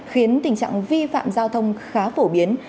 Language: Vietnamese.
khiến tình trạng vi phạm giao thông khá phổ biến